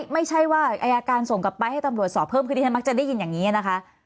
ไม่ใช่ว่าอายการส่งกลับไปให้ตำรวจสอบเพิ่มคือที่ฉันมักจะได้ยินอย่างนี้นะคะ